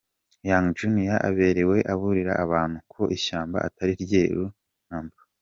Young Junior aberewe aburira abantu ko ishyamba atari ryeru na mba.